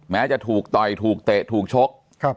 แม้จะถูกต่อยถูกเตะถูกชก